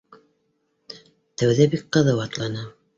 Тәүҙә бик ҡыҙыу атланы